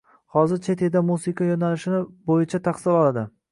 Hozir chet elda musiqa yo’nalishini bo’yicha tahsil oladi.